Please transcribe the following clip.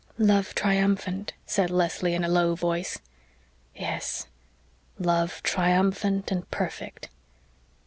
"Love triumphant," said Leslie in a low voice. "Yes love triumphant and perfect.